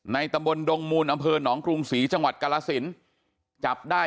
ตำบลดงมูลอำเภอหนองกรุงศรีจังหวัดกรสินจับได้